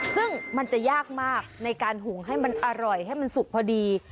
ซึ่งมันจะยากมากในการหุงให้มันอร่อยให้มันสุกพอดี